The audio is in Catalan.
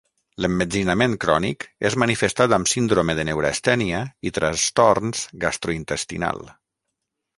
L'emmetzinament crònic és manifestat amb síndrome de neurastènia i trastorns gastrointestinal.